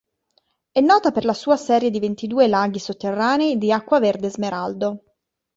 È nota per la sua serie di ventidue laghi sotterranei di acqua verde smeraldo.